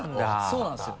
そうなんですよ。